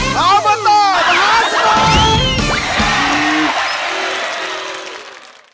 แล้วมาต่อต่อหาสนอง